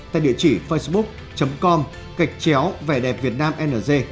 tại địa chỉ facebook com cạch chéo về đẹp việt nam ng